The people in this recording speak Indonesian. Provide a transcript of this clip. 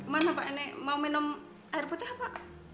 mana pak ini mau minum air putih pak